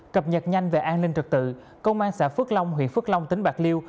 cập nhật nhanh về an ninh trật tự công an xã phước long huyện phước long tỉnh bạc liêu